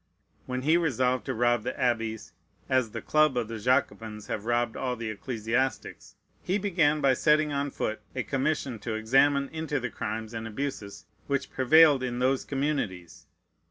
When he resolved to rob the abbeys, as the club of the Jacobins have robbed all the ecclesiastics, he began by setting on foot a commission to examine into the crimes and abuses which prevailed in those communities.